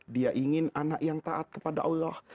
dia ingin anak yang taat kepada allah